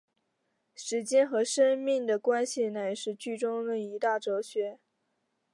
时间和生命的关系乃是剧中的一大哲学。